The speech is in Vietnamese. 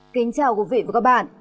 kính chào quý vị và các bạn